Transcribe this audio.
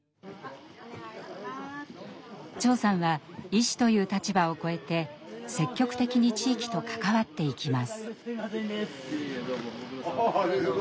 長さんは医師という立場をこえて積極的に地域と関わっていきます。